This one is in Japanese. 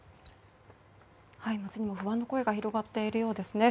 街にも不安の声が広がっているようですね。